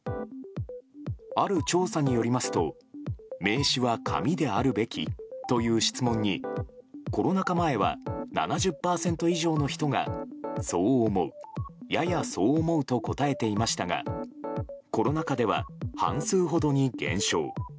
ある調査によりますと名刺は紙であるべきという質問にコロナ禍前は７０％以上の人がそう思う、ややそう思うと答えていましたがコロナ禍では半数ほどに減少。